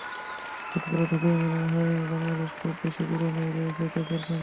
স্কুলে ঢুকতেই মনে হয়, বাংলাদেশ খুব বেশি দূরে নয়, রয়েছে চোখের সামনে।